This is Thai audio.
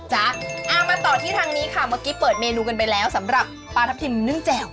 เอามาต่อที่ทางนี้ค่ะเมื่อกี้เปิดเมนูกันไปแล้วสำหรับปลาทับทิมนึ่งแจ่ว